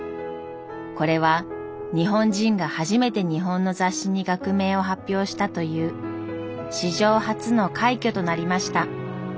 これは日本人が初めて日本の雑誌に学名を発表したという史上初の快挙となりました。